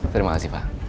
terima kasih pak